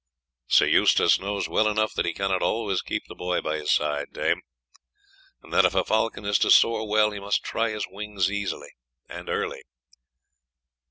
"Sir Eustace knows well enough that he cannot always keep the boy by his side, dame; and that if a falcon is to soar well, he must try his wings early.